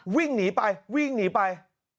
วิ่งหนีไป